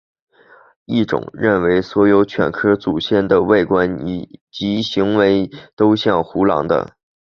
一般认为所有犬科祖先的外观及行为都像胡狼的。